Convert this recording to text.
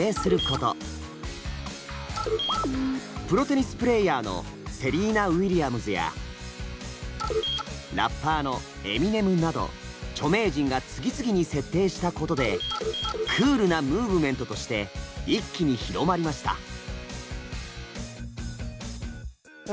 プロテニスプレーヤーのセリーナ・ウィリアムズやラッパーのエミネムなど著名人が次々に設定したことでクールなムーブメントとして一気に広まりました。